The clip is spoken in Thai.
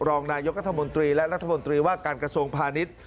รองนายกรัฐมนตรีและรัฐมนตรีว่าการกระทรวงพาณิชย์